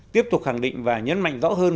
tiếp tục khẳng định và nhấn mạnh rõ hơn